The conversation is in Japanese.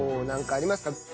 何かありますか？